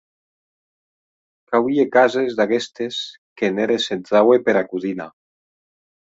Qu’auie cases d’aguestes qu’en eres s’entraue pera codina.